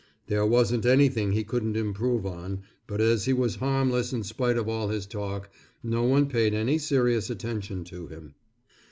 There wasn't anything he couldn't improve on, but as he was harmless in spite of all his talk, no one paid any serious attention to him.